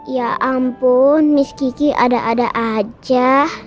ya ampun miski ada ada aja